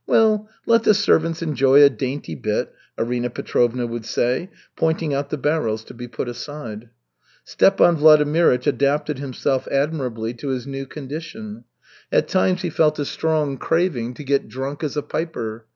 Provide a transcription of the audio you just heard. Well, let the servants enjoy a dainty bit," Arina Petrovna would say, pointing out the barrels to be put aside. Stepan Vladimirych adapted himself admirably to his new condition. At times he felt a strong craving to get drunk as a piper.